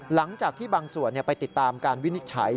หลังจากที่บางส่วนไปติดตามการวินิจฉัย